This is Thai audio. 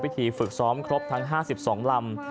พิธีฝึกซ้อมครบทั้ง๕๒ร่ำ